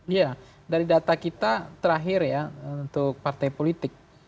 iya dari data kita terakhir ya untuk partai politik